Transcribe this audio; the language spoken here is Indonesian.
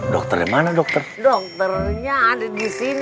dokternya ada di sini